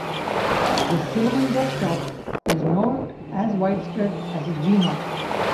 The cinnamon desktop is not as widespread as gnome.